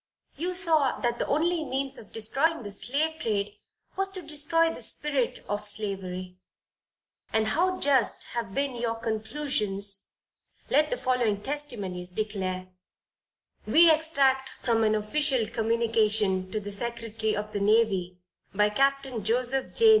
You saw that the only means of destroying the slave trade, was to destroy the spirit of slavery; and how just have been your conclusions, let the following testimonies declare we extract from an official communication to the secretary of the Navy, by Captain Joseph J.